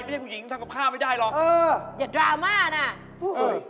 ไม่ได้หรอกอย่าดราม่านะโอ้โฮ